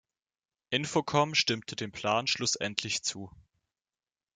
Infocom stimmte dem Plan schlussendlich zu.